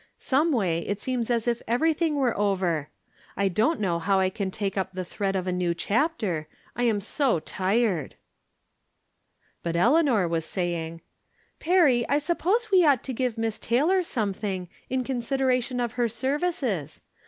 Someway, it seems as if everything were over. I don't know how I can take up the thread of a new chapter, I am so tired." " But Eleanor was saying :" Perry, I suppose we ought to give Miss Tay lor something, in consideration of her services.